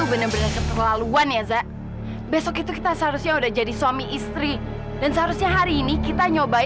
apalagi kalo udah nikah ya